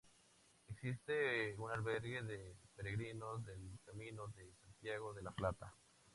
Existe un Albergue de Peregrinos del Camino de Santiago de la Plata.